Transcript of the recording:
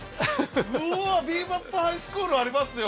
うわ「ビー・バップ・ハイスクール」ありますよ！